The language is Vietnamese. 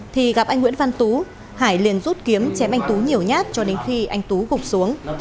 thì gặp anh nguyễn văn tú hải liền rút kiếm chém anh tú nhiều nhát cho đến khi anh tú gục xuống